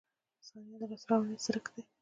• ثانیه د لاسته راوړنې څرک دی.